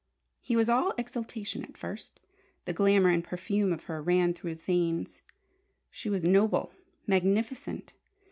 He was all exaltation at first. The glamour and perfume of her ran through his veins. She was noble, magnificent.